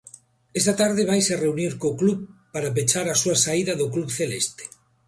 Esta tarde vaise reunir co club para pechar a súa saída do club celeste.